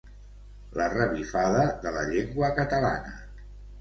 La revifada de la llengua catalana.